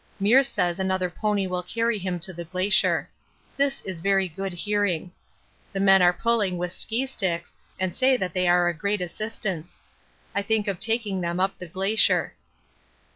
Meares says another pony will carry him to the Glacier. This is very good hearing. The men are pulling with ski sticks and say that they are a great assistance. I think of taking them up the Glacier.